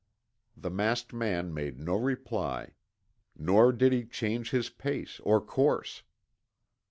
The masked man made no reply. Nor did he change his pace or course.